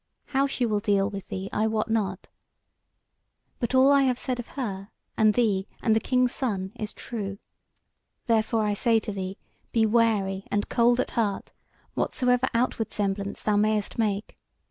How she will deal with thee, I wot not; but all I have said of her and thee and the King's Son is true. Therefore I say to thee, be wary and cold at heart, whatsoever outward semblance thou mayst make.